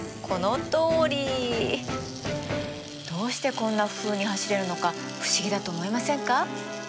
このとおり！どうしてこんなふうに走れるのか不思議だと思いませんか？